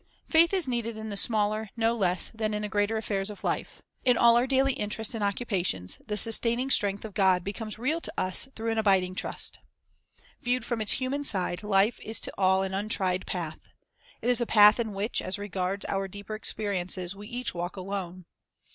Faith is needed in the smaller no less than in the greater affairs of life. In all our daily interests and occupations the sustaining strength of God becomes real to us through an abiding trust. Viewed from its human side, life is to all an untried path. It is a path in which, as regards our deeper experiences, we each walk alone.